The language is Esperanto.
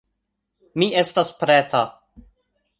Mi estas preta...